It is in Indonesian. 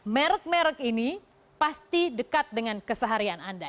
merek merek ini pasti dekat dengan keseharian anda